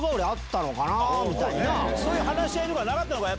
そういう話し合いとかなかったのか？